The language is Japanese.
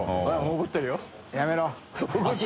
怒ってるよ